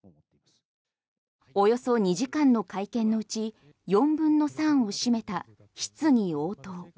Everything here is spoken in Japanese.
およそ２時間の会見のうち４分の３を占めた質疑応答。